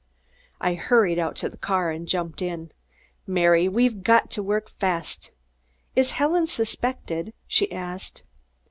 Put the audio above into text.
'" I hurried out to the car and jumped in. "Mary, we've got to work fast." "Is Helen suspected?" she asked.